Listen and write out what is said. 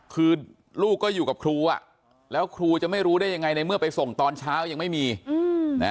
คือลูกก็อยู่กับครูอ่ะแล้วครูจะไม่รู้ได้ยังไงในเมื่อไปส่งตอนเช้ายังไม่มีนะ